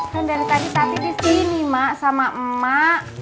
kan dari tadi tati disini sama emak